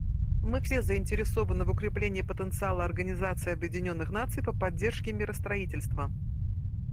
Мы все заинтересованы в укреплении потенциала Организации Объединенных Наций по поддержке миростроительства.